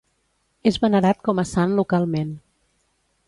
És venerat com a sant localment.